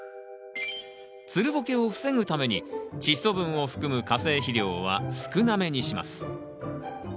つるボケを防ぐためにチッ素分を含む化成肥料は少なめにします。